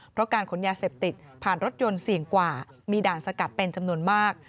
เพราะการขนยาเสพติดผ่านรถยนต์เสี่ยงกว่ามีด่านสกัดเป็นจำนวนมาก